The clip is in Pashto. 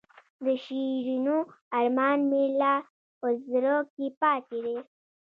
د شیرینو ارمان مې لا په زړه کې پاتې دی.